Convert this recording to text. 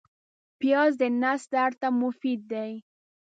پیاز د نس درد ته مفید دی